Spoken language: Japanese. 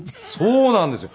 そうなんですよ。